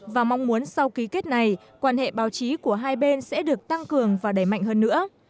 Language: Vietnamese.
và mong muốn sau ký kết này quan hệ báo chí của hai bên sẽ được tăng cường và đẩy mạnh hơn nữa